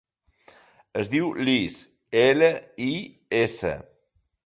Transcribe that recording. Es diu Lis: ela, i, essa.